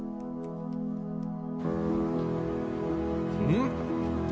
うん！